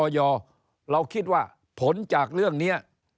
เราคิดว่าผลจากเรื่องนี้